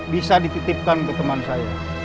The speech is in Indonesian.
bisa dititipkan ke teman saya